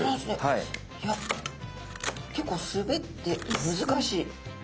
いや結構すべって難しい。